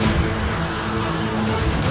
ini mah aneh